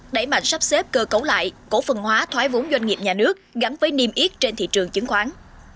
đẩy mạnh sắp xếp cơ cấu lại cổ phần hóa thoái vốn doanh nghiệp nhà nước gắn với niềm yết trên thị trường chứng khoán